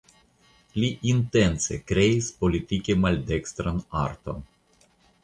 Li intence kreis politike maldekstran arton.